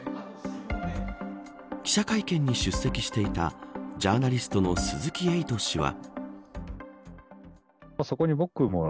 記者会見に出席していたジャーナリストの鈴木エイト氏は。